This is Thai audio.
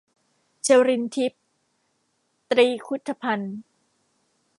ชรินทร์ทิพย์ ตรีครุธพันธุ์